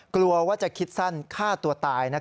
กลัวว่าจะคิดสั้นฆ่าตัวตาย